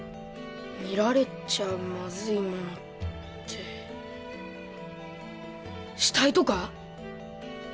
見られちゃまずいものって死体とか？